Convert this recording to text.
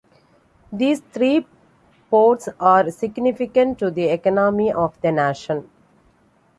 These three ports are significant to the economy of the nation.